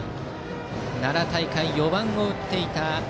奈良大会４番を打っていた